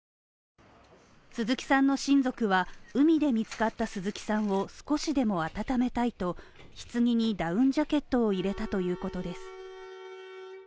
鈴木さんの親族は海で見つかった鈴木さんを少しでも温めたいと棺にダウンジャケットを入れたということですね。